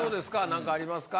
何かありますか？